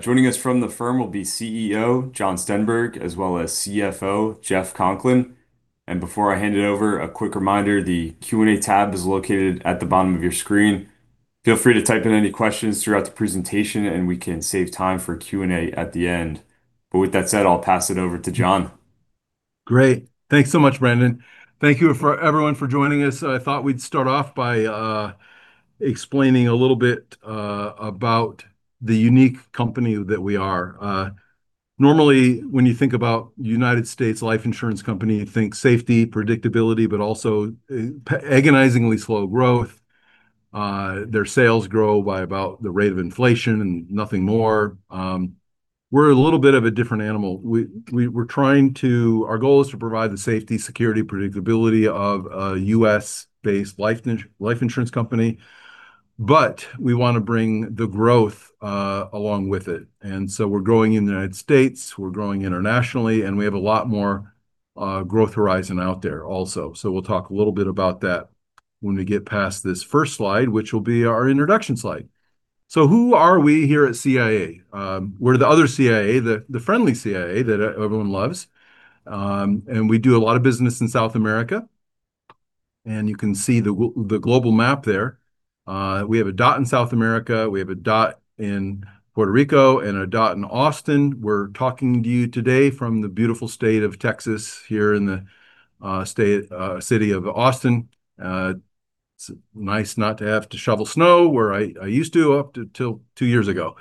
Joining us from the firm will be CEO Jon Stenberg, as well as CFO Jim Kunkel. And before I hand it over, a quick reminder: the Q&A tab is located at the bottom of your screen. Feel free to type in any questions throughout the presentation, and we can save time for Q&A at the end. But with that said, I'll pass it over to Jon. Great. Thanks so much, Brendan. Thank you for everyone for joining us. I thought we'd start off by explaining a little bit about the unique company that we are. Normally, when you think about the United States life insurance company, you think safety, predictability, but also agonizingly slow growth. Their sales grow by about the rate of inflation and nothing more. We're a little bit of a different animal. We're trying to. Our goal is to provide the safety, security, predictability of a U.S.-based life insurance company, but we want to bring the growth along with it, and so we're growing in the United States, we're growing internationally, and we have a lot more growth horizon out there also, so we'll talk a little bit about that when we get past this first slide, which will be our introduction slide, so who are we here at CIA? We're the other CIA, the friendly CIA that everyone loves. We do a lot of business in South America. You can see the global map there. We have a dot in South America, we have a dot in Puerto Rico, and a dot in Austin. We're talking to you today from the beautiful state of Texas here in the great city of Austin. It's nice not to have to shovel snow where I used to up until two years ago.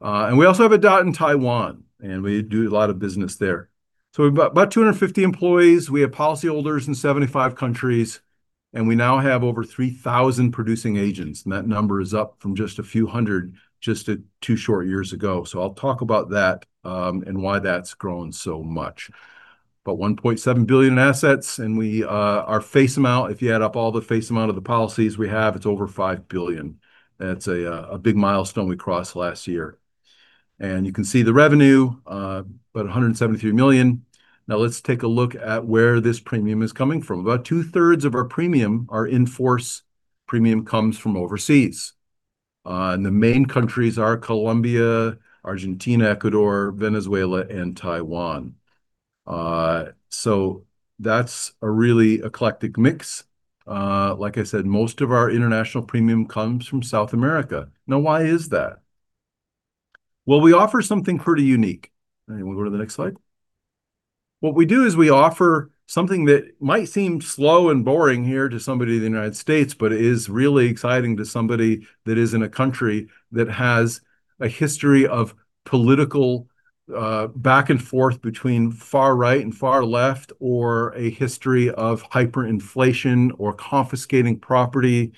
We also have a dot in Taiwan, and we do a lot of business there. We've got about 250 employees. We have policyholders in 75 countries, and we now have over 3,000 producing agents. That number is up from just a few hundred two short years ago. I'll talk about that, and why that's grown so much. but $1.7 billion in assets, and we, our face amount, if you add up all the face amount of the policies we have, it's over $5 billion. That's a big milestone we crossed last year, and you can see the revenue, about $173 million. Now, let's take a look at where this premium is coming from. About two-thirds of our premium, our in-force premium, comes from overseas, and the main countries are Colombia, Argentina, Ecuador, Venezuela, and Taiwan, so that's a really eclectic mix, like I said, most of our international premium comes from South America. Now, why is that? well, we offer something pretty unique, and we'll go to the next slide. What we do is we offer something that might seem slow and boring here to somebody in the United States, but it is really exciting to somebody that is in a country that has a history of political, back and forth between far right and far left, or a history of hyperinflation or confiscating property.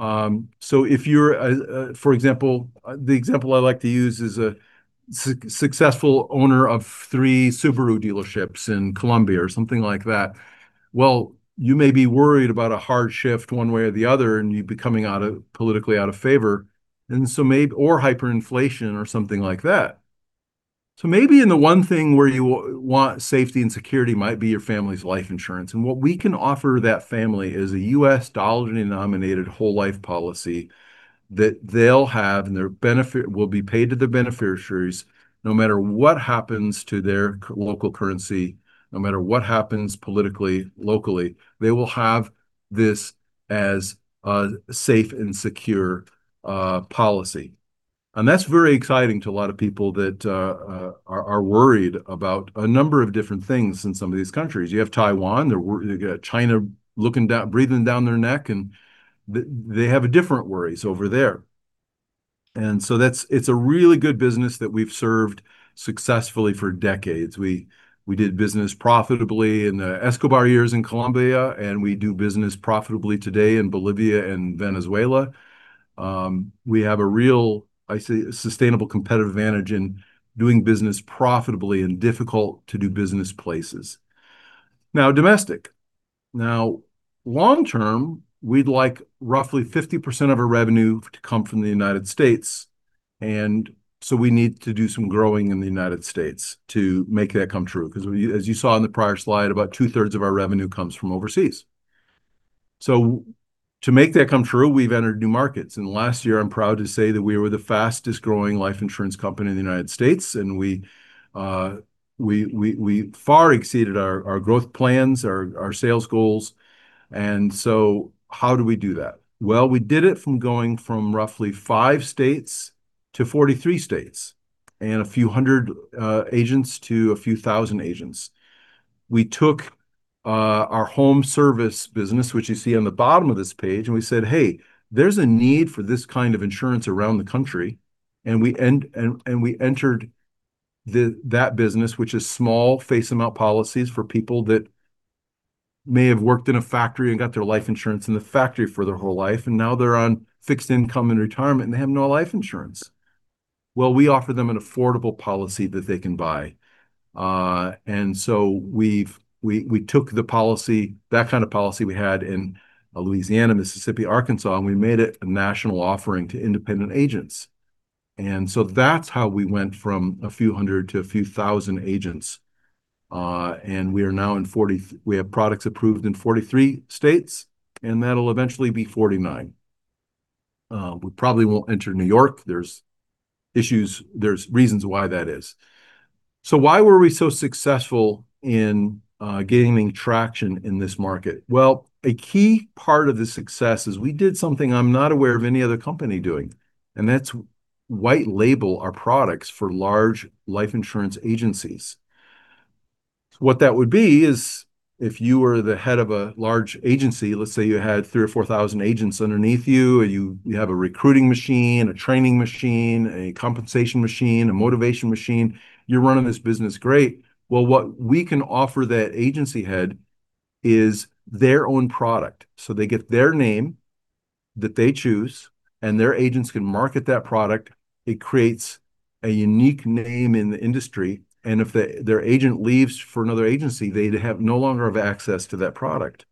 So if you're, for example, the example I like to use is a successful owner of three Subaru dealerships in Colombia or something like that. Well, you may be worried about a hard shift one way or the other, and you'd be coming out of politically out of favor. And so maybe, or hyperinflation or something like that. So maybe in the one thing where you want safety and security might be your family's life insurance. And what we can offer that family is a U.S. Dollar-denominated whole life policy that they'll have, and their benefit will be paid to the beneficiaries no matter what happens to their local currency, no matter what happens politically, locally, they will have this as a safe and secure policy. And that's very exciting to a lot of people that are worried about a number of different things in some of these countries. You have Taiwan, they're worried, they got China looking down, breathing down their neck, and they have different worries over there. And so that's. It's a really good business that we've served successfully for decades. We did business profitably in the Escobar years in Colombia, and we do business profitably today in Bolivia and Venezuela. We have a real, I say, sustainable competitive advantage in doing business profitably in difficult-to-do business places. Now, domestic. Now, long term, we'd like roughly 50% of our revenue to come from the United States. And so we need to do some growing in the United States to make that come true. Because as you saw in the prior slide, about two-thirds of our revenue comes from overseas. So to make that come true, we've entered new markets. And last year, I'm proud to say that we were the fastest-growing life insurance company in the United States. And we far exceeded our growth plans, our sales goals. And so how do we do that? Well, we did it from going from roughly five states to 43 states, and a few hundred agents to a few thousand agents. We took our home service business, which you see on the bottom of this page, and we said, "Hey, there's a need for this kind of insurance around the country." We entered that business, which is small face-amount policies for people that may have worked in a factory and got their life insurance in the factory for their whole life, and now they're on fixed income and retirement, and they have no life insurance. We offer them an affordable policy that they can buy. We took the policy, that kind of policy we had in Louisiana, Mississippi, Arkansas, and we made it a national offering to independent agents. That's how we went from a few hundred to a few thousand agents. We are now in 40—we have products approved in 43 states, and that'll eventually be 49. We probably won't enter New York. There's issues, there's reasons why that is. So why were we so successful in gaining traction in this market? Well, a key part of the success is we did something I'm not aware of any other company doing. And that's white-label our products for large life insurance agencies. What that would be is if you were the head of a large agency, let's say you had three or four thousand agents underneath you, or you have a recruiting machine, a training machine, a compensation machine, a motivation machine, you're running this business great. Well, what we can offer that agency head is their own product. So they get their name that they choose, and their agents can market that product. It creates a unique name in the industry. And if their agent leaves for another agency, they have no longer access to that product.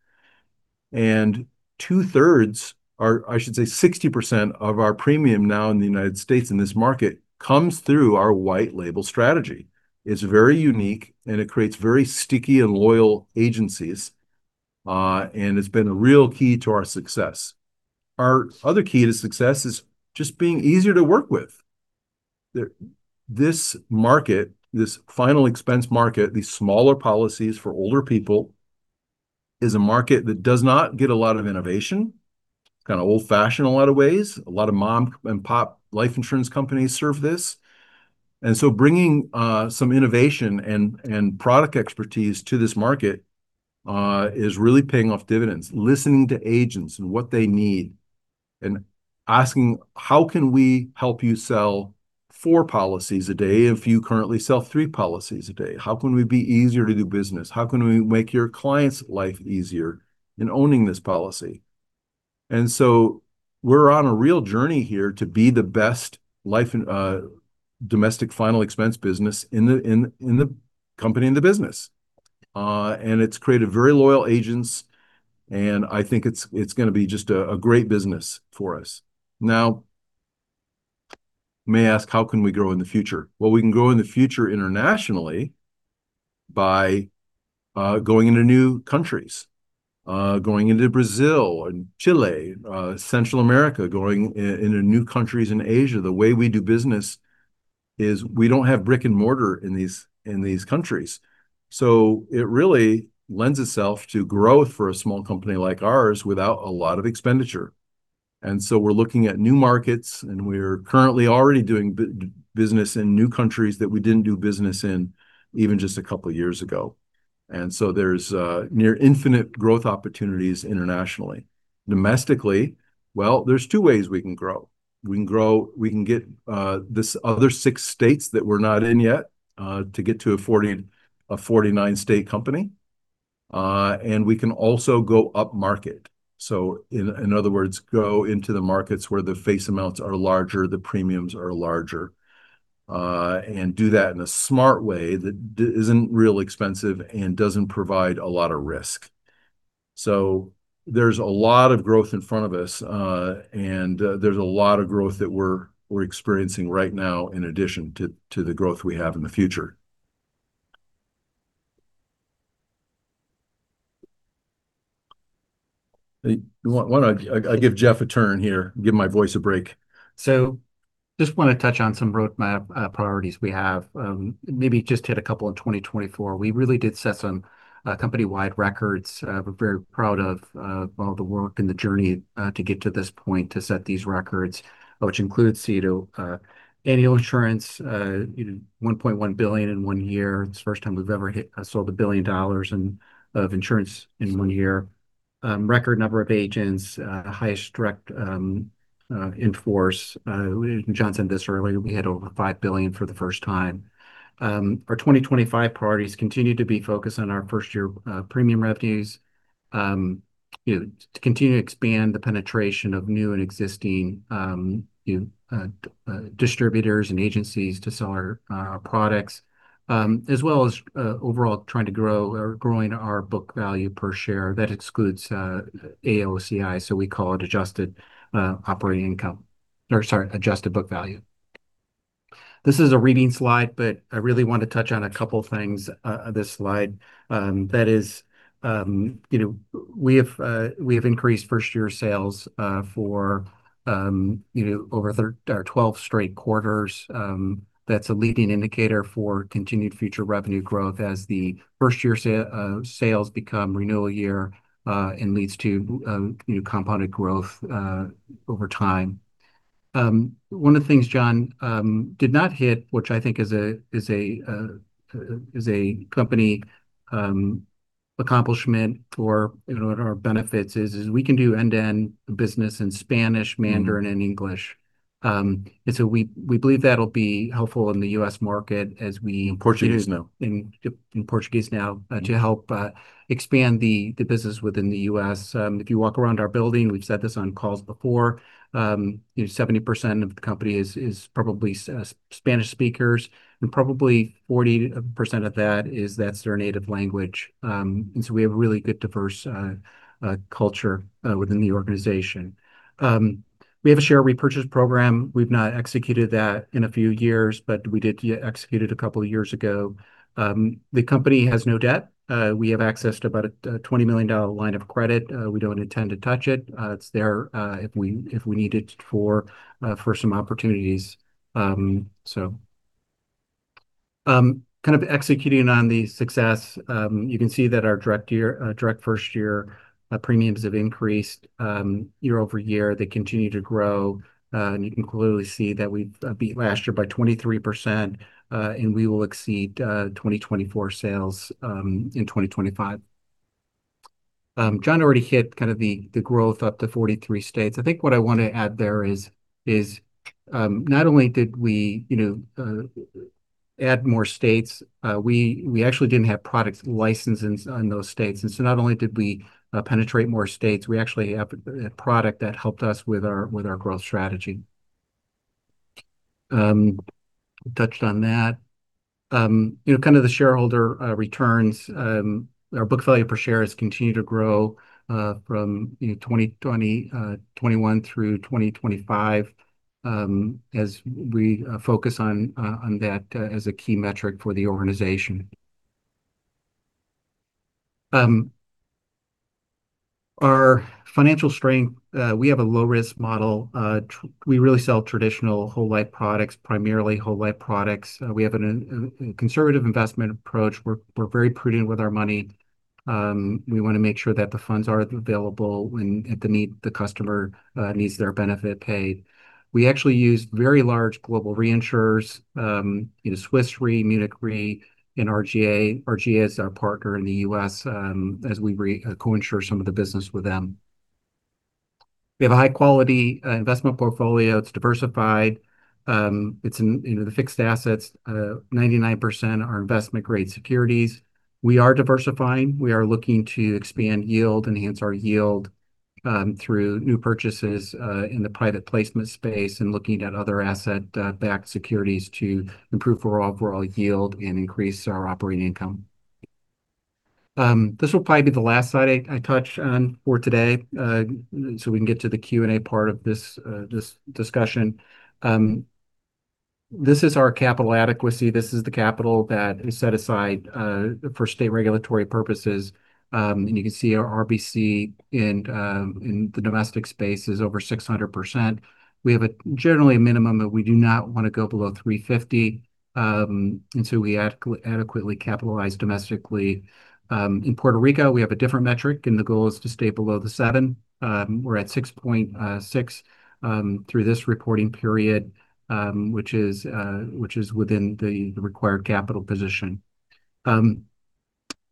And two-thirds are, I should say, 60% of our premium now in the United States in this market comes through our white-label strategy. It's very unique, and it creates very sticky and loyal agencies. And it's been a real key to our success. Our other key to success is just being easier to work with. This market, this final expense market, these smaller policies for older people, is a market that does not get a lot of innovation, kind of old-fashioned in a lot of ways. A lot of mom-and-pop life insurance companies serve this. And so bringing some innovation and product expertise to this market is really paying off dividends, listening to agents and what they need, and asking, "How can we help you sell four policies a day if you currently sell three policies a day? How can we be easier to do business? How can we make your clients' life easier in owning this policy?" And so we're on a real journey here to be the best life domestic final expense business in the company in the business. And it's created very loyal agents. And I think it's going to be just a great business for us. Now, you may ask, "How can we grow in the future?" Well, we can grow in the future internationally by going into new countries, going into Brazil and Chile, Central America, going into new countries in Asia. The way we do business is we don't have brick-and-mortar in these countries. So it really lends itself to growth for a small company like ours without a lot of expenditure. And so we're looking at new markets, and we're currently already doing business in new countries that we didn't do business in even just a couple of years ago. And so there's near infinite growth opportunities internationally. Domestically, well, there's two ways we can grow. We can grow, we can get this other six states that we're not in yet, to get to a 40, a 49-state company. And we can also go upmarket. So in other words, go into the markets where the face amounts are larger, the premiums are larger, and do that in a smart way that isn't real expensive and doesn't provide a lot of risk. So there's a lot of growth in front of us, and there's a lot of growth that we're experiencing right now in addition to the growth we have in the future. I want to give Jim a turn here, give my voice a break. So just want to touch on some roadmap priorities we have. Maybe just hit a couple in 2024. We really did set some company-wide records. We're very proud of all the work and the journey to get to this point to set these records, which includes, you know, annual insurance, you know, $1.1 billion in one year. It's the first time we've ever sold a billion dollars of insurance in one year. Record number of agents, highest direct in-force. Jon said this earlier, we hit over $5 billion for the first time. Our 2025 priorities continue to be focused on our first-year premium revenues, you know, to continue to expand the penetration of new and existing, you know, distributors and agencies to sell our products, as well as overall trying to grow or growing our book value per share. That excludes AOCI, so we call it adjusted operating income, or sorry, adjusted book value. This is a reading slide, but I really want to touch on a couple of things on this slide. That is, you know, we have increased first-year sales for, you know, over our 12 straight quarters. That's a leading indicator for continued future revenue growth as the first-year sales become renewal year and leads to, you know, compounded growth over time. One of the things Jon did not hit, which I think is a company accomplishment for our benefits, is we can do end-to-end business in Spanish, Mandarin, and English. And so we believe that'll be helpful in the U.S. market as we. In Portuguese now. In Portuguese now to help expand the business within the U.S. If you walk around our building, we've said this on calls before, you know, 70% of the company is probably Spanish speakers, and probably 40% of that is their native language. We have a really good diverse culture within the organization. We have a share repurchase program. We've not executed that in a few years, but we did execute it a couple of years ago. The company has no debt. We have access to about a $20 million line of credit. We don't intend to touch it. It's there if we need it for some opportunities. Kind of executing on the success, you can see that our direct first-year premiums have increased year over year. They continue to grow. And you can clearly see that we've beat last year by 23%, and we will exceed 2024 sales in 2025. Jon already hit kind of the growth up to 43 states. I think what I want to add there is not only did we, you know, add more states, we actually didn't have products licensed in those states. And so not only did we penetrate more states, we actually have a product that helped us with our growth strategy. Touched on that. You know, kind of the shareholder returns, our book value per share has continued to grow from, you know, 2021 through 2025 as we focus on that as a key metric for the organization. Our financial strength, we have a low-risk model. We really sell traditional whole life products, primarily whole life products. We have a conservative investment approach. We're very prudent with our money. We want to make sure that the funds are available when the customer needs their benefit paid. We actually use very large global reinsurers, you know, Swiss Re, Munich Re, and RGA. RGA is our partner in the U.S. as we co-insure some of the business with them. We have a high-quality investment portfolio. It's diversified. It's in, you know, the fixed assets, 99% are investment-grade securities. We are diversifying. We are looking to expand yield, enhance our yield through new purchases in the private placement space and looking at other asset-backed securities to improve overall yield and increase our operating income. This will probably be the last slide I touch on for today so we can get to the Q&A part of this discussion. This is our capital adequacy. This is the capital that is set aside for state regulatory purposes. And you can see our RBC in the domestic space is over 600%. We have generally a minimum that we do not want to go below 350. And so we adequately capitalize domestically. In Puerto Rico, we have a different metric, and the goal is to stay below the seven. We're at 6.6 through this reporting period, which is within the required capital position.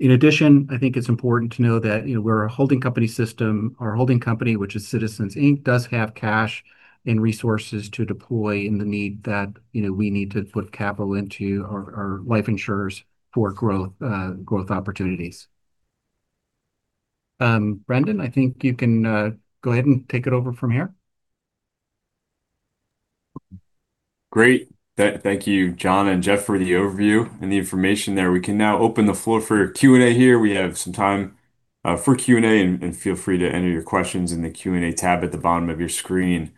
In addition, I think it's important to know that, you know, we're a holding company system. Our holding company, which is Citizens, Inc., does have cash and resources to deploy in the need that, you know, we need to put capital into our life insurers for growth opportunities. Brendan, I think you can go ahead and take it over from here. Great. Thank you, Jon and Jim, for the overview and the information there. We can now open the floor for Q&A here. We have some time for Q&A, and feel free to enter your questions in the Q&A tab at the bottom of your screen.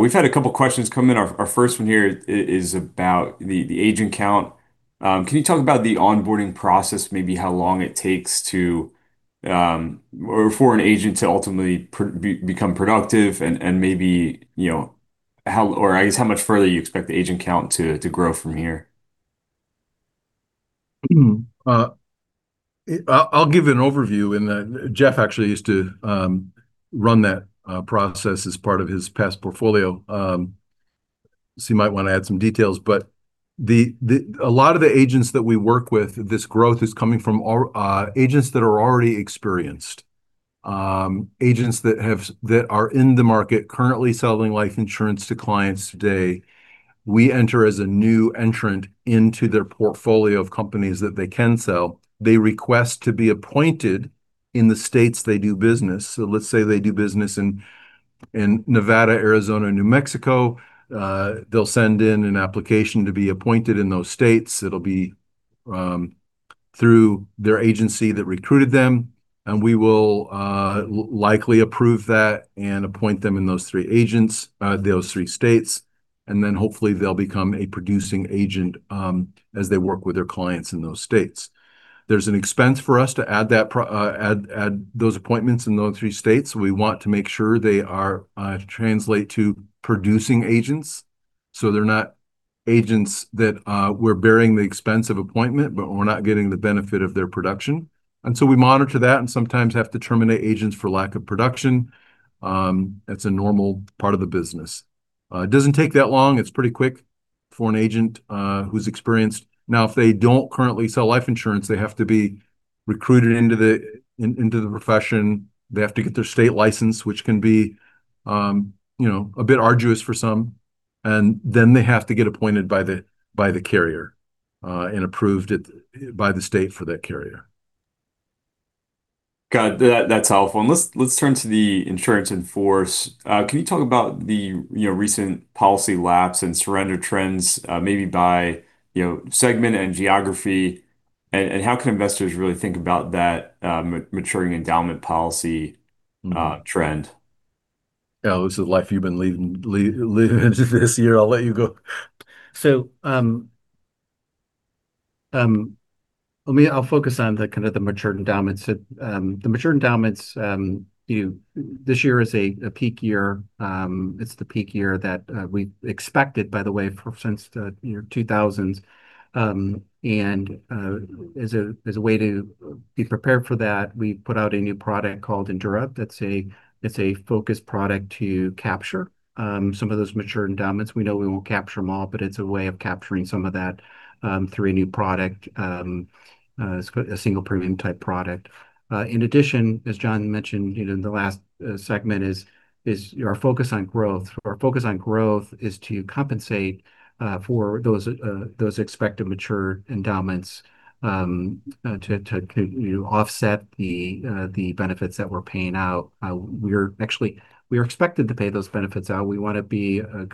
We've had a couple of questions come in. Our first one here is about the agent count. Can you talk about the onboarding process, maybe how long it takes to or for an agent to ultimately become productive and maybe, you know, how or I guess how much further you expect the agent count to grow from here? I'll give you an overview. And Jim actually used to run that process as part of his past portfolio. So you might want to add some details. But a lot of the agents that we work with, this growth is coming from agents that are already experienced, agents that have that are in the market currently selling life insurance to clients. They. We enter as a new entrant into their portfolio of companies that they can sell. They request to be appointed in the states they do business. So let's say they do business in Nevada, Arizona, New Mexico. They'll send in an application to be appointed in those states. It'll be through their agency that recruited them. And we will likely approve that and appoint them in those three agents, those three states. And then hopefully they'll become a producing agent as they work with their clients in those states. There's an expense for us to add those appointments in those three states. We want to make sure they translate to producing agents. So they're not agents that we're bearing the expense of appointment, but we're not getting the benefit of their production. And so we monitor that and sometimes have to terminate agents for lack of production. That's a normal part of the business. It doesn't take that long. It's pretty quick for an agent who's experienced. Now, if they don't currently sell life insurance, they have to be recruited into the profession. They have to get their state license, which can be, you know, a bit arduous for some. And then they have to get appointed by the carrier and approved by the state for that carrier. Got it. That's helpful. And let's turn to the insurance in force. Can you talk about the, you know, recent policy lapses and surrender trends maybe by, you know, segment and geography? And how can investors really think about that maturing endowment policy trend? Yeah, this is life. You've been living this year. I'll let you go. So let me, I'll focus on the kind of the matured endowments. The matured endowments, you know, this year is a peak year. It's the peak year that we expected, by the way, for since, you know, 2000. And as a way to be prepared for that, we put out a new product called Endura. That's a focused product to capture some of those matured endowments. We know we won't capture them all, but it's a way of capturing some of that through a new product, a single premium type product. In addition, as Jon mentioned, you know, in the last segment is our focus on growth. Our focus on growth is to compensate for those expected matured endowments to offset the benefits that we're paying out. We're actually expected to pay those benefits out. We want to be a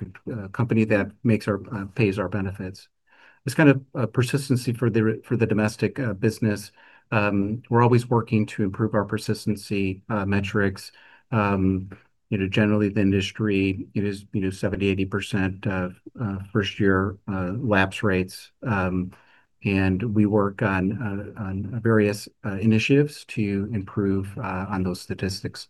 company that makes our pays our benefits. It's kind of a persistency for the domestic business. We're always working to improve our persistency metrics. You know, generally, the industry, it is, you know, 70%-80% of first-year lapse rates, and we work on various initiatives to improve on those statistics.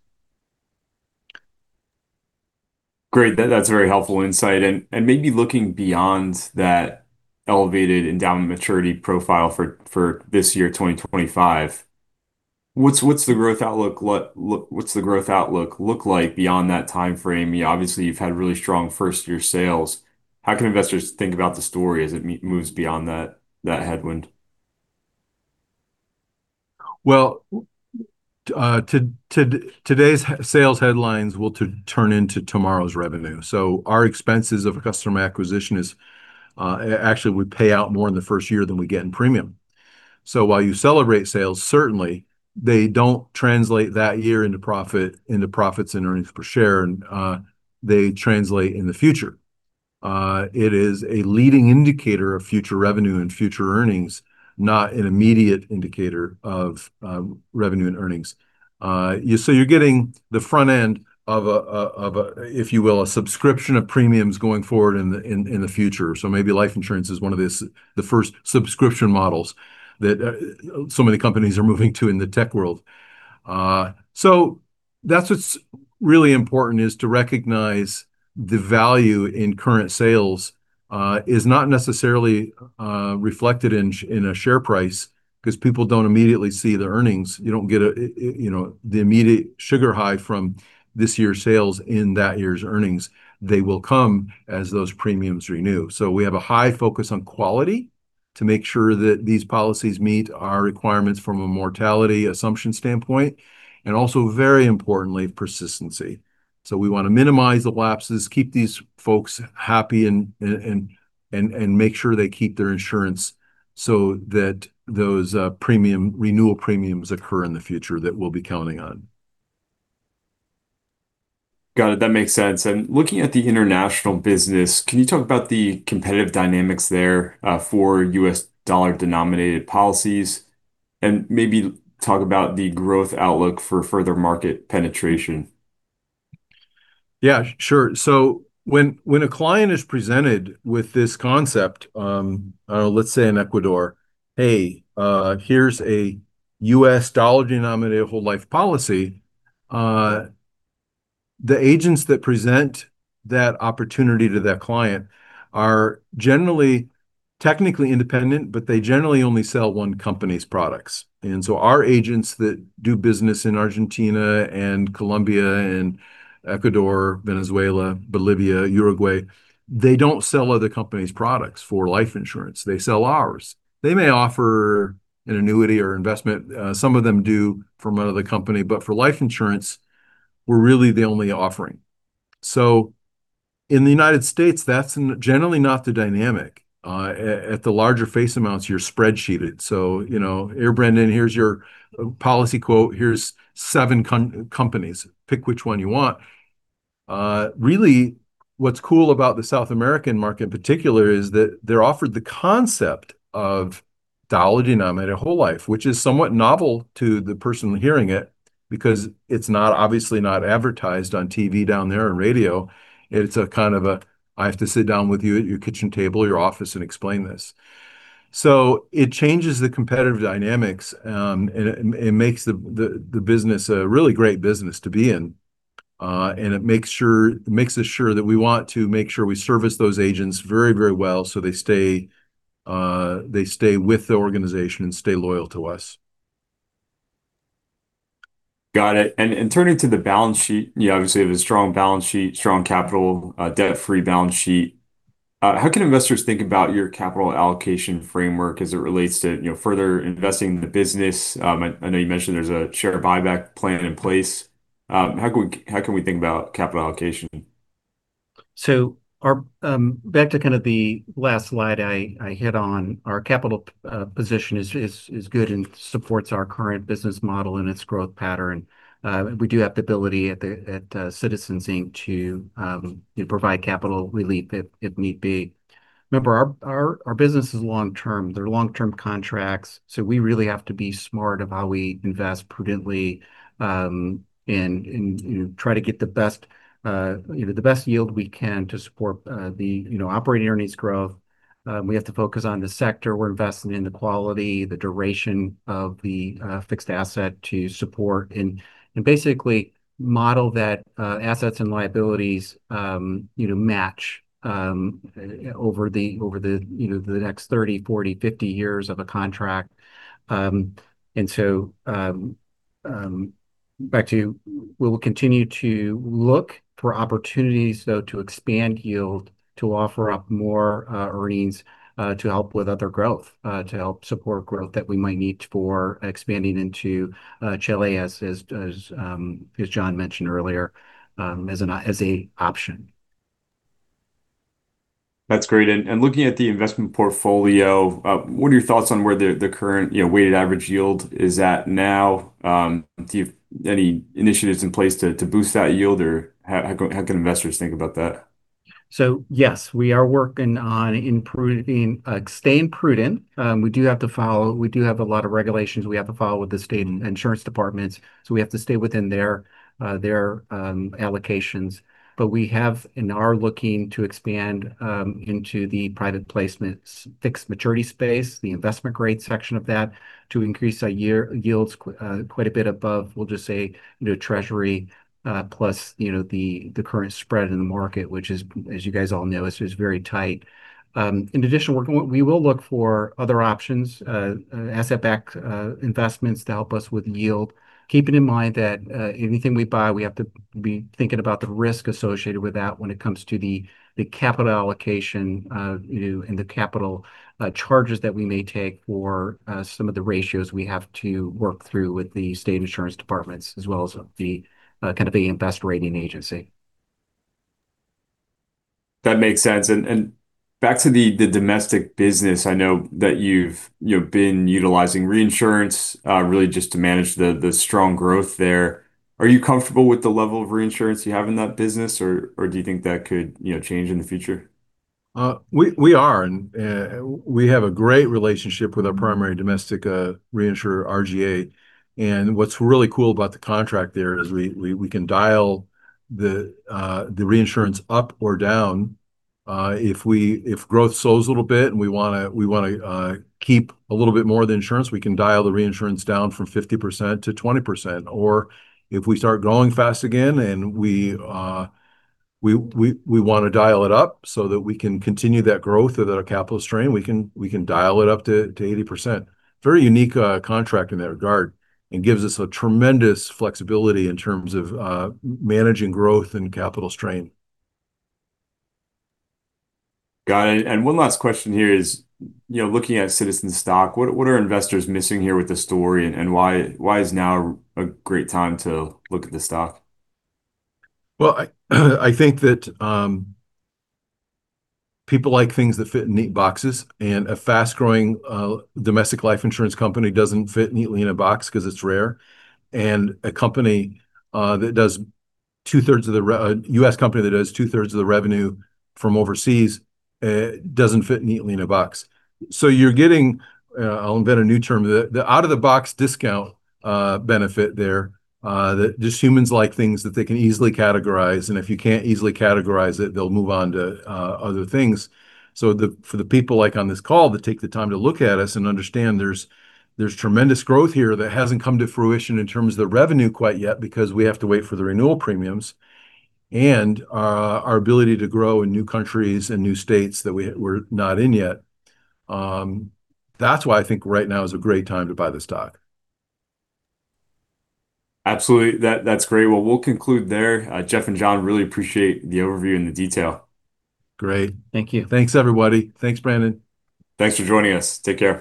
Great. That's a very helpful insight. And maybe looking beyond that elevated endowment maturity profile for this year, 2025, what's the growth outlook look like beyond that time frame? You know, obviously, you've had really strong first-year sales. How can investors think about the story as it moves beyond that headwind? Today's sales headlines will turn into tomorrow's revenue. Our expenses of customer acquisition is actually we pay out more in the first year than we get in premium. While you celebrate sales, certainly, they don't translate that year into profits and earnings per share. They translate in the future. It is a leading indicator of future revenue and future earnings, not an immediate indicator of revenue and earnings. You're getting the front end of a, if you will, a subscription of premiums going forward in the future. Maybe life insurance is one of the first subscription models that so many companies are moving to in the tech world. That's what's really important is to recognize the value in current sales is not necessarily reflected in a share price because people don't immediately see the earnings. You don't get, you know, the immediate sugar high from this year's sales in that year's earnings. They will come as those premiums renew. So we have a high focus on quality to make sure that these policies meet our requirements from a mortality assumption standpoint, and also, very importantly, persistency. So we want to minimize the lapses, keep these folks happy, and make sure they keep their insurance so that those premium renewal premiums occur in the future that we'll be counting on. Got it. That makes sense. And looking at the international business, can you talk about the competitive dynamics there for U.S. dollar-denominated policies? And maybe talk about the growth outlook for further market penetration? Yeah, sure. So when a client is presented with this concept, let's say in Ecuador, "Hey, here's a U.S. dollar-denominated whole life policy," the agents that present that opportunity to that client are generally technically independent, but they generally only sell one company's products. And so our agents that do business in Argentina and Colombia and Ecuador, Venezuela, Bolivia, Uruguay, they don't sell other companies' products for life insurance. They sell ours. They may offer an annuity or investment. Some of them do from another company. But for life insurance, we're really the only offering. So in the United States, that's generally not the dynamic. At the larger face amounts, you're spreadsheeted. So, you know, "Here, Brendan, here's your policy quote. Here's seven companies. Pick which one you want." Really, what's cool about the South American market in particular is that they're offered the concept of dollar-denominated whole life, which is somewhat novel to the person hearing it because it's not obviously advertised on TV down there and radio. It's kind of a, "I have to sit down with you at your kitchen table, your office, and explain this." So it changes the competitive dynamics and makes the business a really great business to be in. And it makes us sure that we want to make sure we service those agents very, very well so they stay with the organization and stay loyal to us. Got it. And turning to the balance sheet, you obviously have a strong balance sheet, strong capital, debt-free balance sheet. How can investors think about your capital allocation framework as it relates to, you know, further investing in the business? I know you mentioned there's a share buyback plan in place. How can we think about capital allocation? So we're back to kind of the last slide I hit on, our capital position is good and supports our current business model and its growth pattern. We do have the ability at Citizens, Inc. to provide capital relief if need be. Remember, our business is long-term. They're long-term contracts. So we really have to be smart about how we invest prudently and try to get the best, you know, the best yield we can to support the, you know, operating earnings growth. We have to focus on the sector we're investing in, the quality, the duration of the fixed asset to support and basically model those assets and liabilities, you know, match over the, you know, the next 30, 40, 50 years of a contract. And so, back to. We'll continue to look for opportunities, though, to expand yield, to offer up more earnings, to help with other growth, to help support growth that we might need for expanding into Chile, as Jon mentioned earlier, as an option. That's great, and looking at the investment portfolio, what are your thoughts on where the current, you know, weighted average yield is at now? Do you have any initiatives in place to boost that yield, or how can investors think about that? So yes, we are working on improving, staying prudent. We do have a lot of regulations to follow with the state insurance departments. So we have to stay within their allocations. But we have and are looking to expand into the private placements, fixed-maturity space, the investment-grade section of that to increase our yields quite a bit above, we'll just say, you know, Treasury plus, you know, the current spread in the market, which, as you guys all know, is very tight. In addition, we will look for other options, asset-backed investments to help us with yield. Keeping in mind that anything we buy, we have to be thinking about the risk associated with that when it comes to the capital allocation, you know, and the capital charges that we may take for some of the ratios we have to work through with the state insurance departments as well as the kind of the investor rating agency. That makes sense. And back to the domestic business, I know that you've, you know, been utilizing reinsurance really just to manage the strong growth there. Are you comfortable with the level of reinsurance you have in that business, or do you think that could, you know, change in the future? We are. And we have a great relationship with our primary domestic reinsurer, RGA. And what's really cool about the contract there is we can dial the reinsurance up or down. If growth slows a little bit and we want to keep a little bit more of the insurance, we can dial the reinsurance down from 50% to 20%. Or if we start growing fast again and we want to dial it up so that we can continue that growth or that capital strain, we can dial it up to 80%. Very unique contract in that regard and gives us a tremendous flexibility in terms of managing growth and capital strain. Got it, and one last question here is, you know, looking at Citizens stock, what are investors missing here with the story and why is now a great time to look at the stock? I think that people like things that fit in neat boxes. A fast-growing domestic life insurance company doesn't fit neatly in a box because it's rare. A company that does two-thirds of the revenue from overseas doesn't fit neatly in a box. You're getting. I'll invent a new term, the out-of-the-box discount benefit there. That's just humans like things that they can easily categorize. If you can't easily categorize it, they'll move on to other things. For the people like on this call that take the time to look at us and understand there's tremendous growth here that hasn't come to fruition in terms of the revenue quite yet because we have to wait for the renewal premiums and our ability to grow in new countries and new states that we're not in yet. That's why I think right now is a great time to buy the stock. Absolutely. That's great. Well, we'll conclude there. Jim and Jon, really appreciate the overview and the detail. Great. Thank you. Thanks, everybody. Thanks, Brendan. Thanks for joining us. Take care.